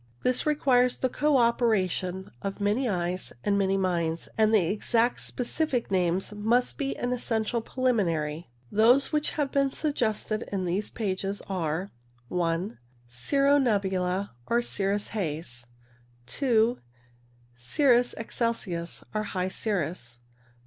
This requires the co operation of many eyes and many minds, and exact specific names must be an essential preliminary. Those which have been suggested in these pages are — 44 ClftRUS 1. Cirro nebula, or Cirrus haze. 2. Cirrus excelsus, or High cirrus.